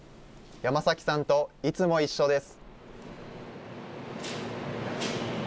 山崎さんといつも一緒です。